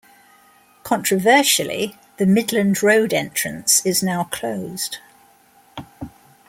Controversially, the Midland Road entrance is now closed.